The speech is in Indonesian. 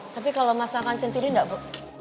tapi kalau masakan centili enggak bu